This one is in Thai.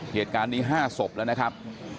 เหตุการณ์นี้๕ศพแล้วนะครับ